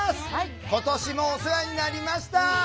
今年もお世話になりました。